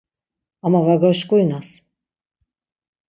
Ama va gaşkurinas.